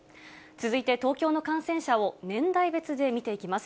続いて東京の感染者を年代別で見ていきます。